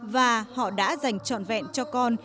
và họ đã dành trọn vẹn cho con